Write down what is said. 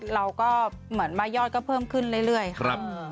เราก็เหมือนมายอดก็เพิ่มขึ้นเรื่อยครับ